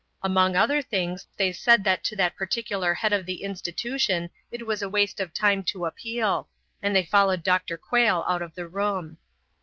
Among other things they said that to that particular Head of the institution it was a waste of time to appeal, and they followed Dr. Quayle out of the room.